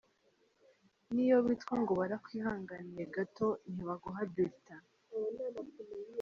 N’iyo bitwa ngo barakwihanganiye gato ntibaguha bulletin.